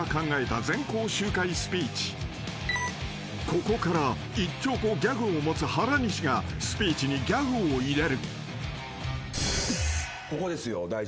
［ここから１兆個ギャグを持つ原西がスピーチにギャグを入れる］